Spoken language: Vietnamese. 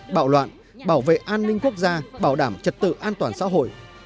bạo loạn bảo vệ an ninh quốc gia bảo đảm trật tự an toàn xã hội